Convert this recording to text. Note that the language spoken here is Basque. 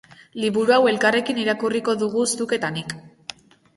Liburu hau elkarrekin irakurriko dugu zuk eta nik.